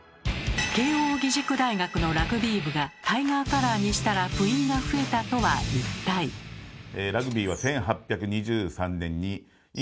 慶應義塾大学のラグビー部がタイガーカラーにしたら部員が増えたとは一体？とされています。